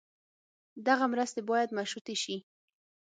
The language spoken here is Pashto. دغه مرستې باید مشروطې شي.